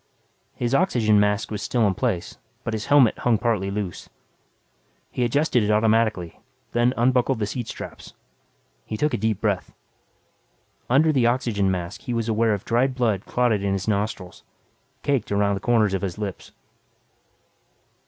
His oxygen mask was still in place, but his helmet hung partly loose. He adjusted it automatically, then unbuckled the seat straps. He took a deep breath. Under the oxygen mask, he was aware of dried blood clotted in his nostrils, caked around the corners of his lips.